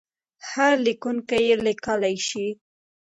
هر لیکونکی یې لیکلای شي.